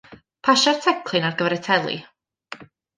Pasia'r teclyn ar gyfer y teli.